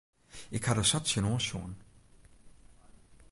Ik ha der sa tsjinoan sjoen.